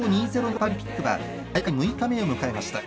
パラリンピックは大会６日目を迎えました。